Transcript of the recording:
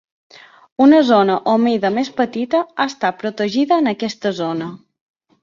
Una zona humida més petita ha estat protegida en aquesta zona.